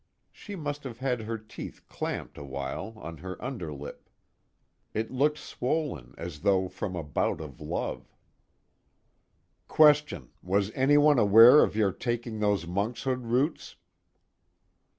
She must have had her teeth clamped a while on her underlip. It looked swollen as though from a bout of love. QUESTION: Was anyone aware of your taking those monkshood roots?